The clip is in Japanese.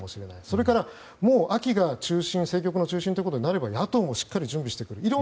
それから、もう秋が政局の中心となれば野党もしっかり準備してくる。